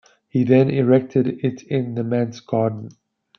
He then erected it in the manse garden.